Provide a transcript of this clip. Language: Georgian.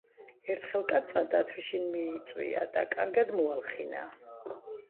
ერთხელ კაცმა დათვი შინ მიიწვია და კარგად მოალხინა.